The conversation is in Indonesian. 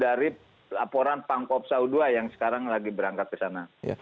dari laporan pangkob satu dua yang sekarang lagi berangkat ke sana